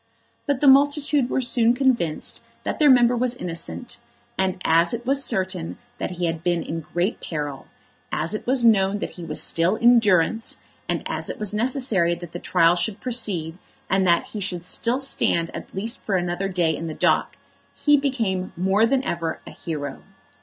But the multitude were soon convinced that their member was innocent; and as it was certain that he had been in great peril, as it was known that he was still in durance, and as it was necessary that the trial should proceed, and that he should still stand at least for another day in the dock, he became more than ever a hero.